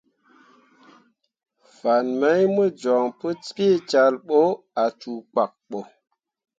Fan mai mo joŋ pu peecal ɓo ah cuu pkak ɓo.